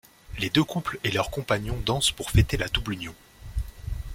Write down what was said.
Les deux couples et leurs compagnons dansent pour fêter la double union.